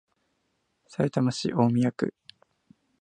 さいたま市大宮区